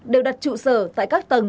đều đặt trụ sở tại các tầng